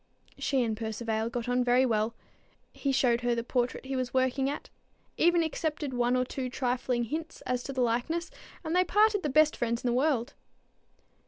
She and Percivale got on very well. He showed her the portrait he was still working at, even accepted one or two trifling hints as to the likeness, and they parted the best friends in the world.